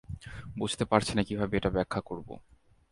বুঝতে পারছি না কীভাবে এটা ব্যাখ্যা করব।